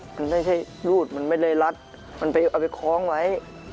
มันไม่ใช่รูดมันไม่ลใต้รัดมันเอาไปของไว้